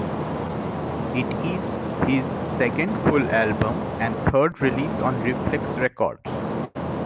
It is his second full album and third release on Rephlex Records.